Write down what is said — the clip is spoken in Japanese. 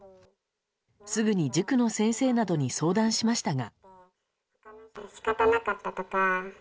すぐに塾の先生などに相談しましたが。